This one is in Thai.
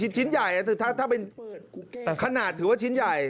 ชิ้นใหญ่ถ้าเป็นขนาดถือว่าชิ้นใหญ่